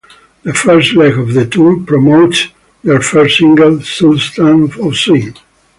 The first leg of the tour promoted their first single, "Sultans of Swing".